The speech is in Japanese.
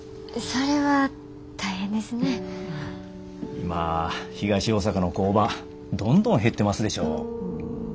今東大阪の工場どんどん減ってますでしょう。